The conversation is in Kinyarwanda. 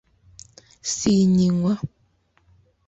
sinkinywa